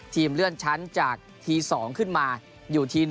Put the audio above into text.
เลื่อนชั้นจากที๒ขึ้นมาอยู่ที๑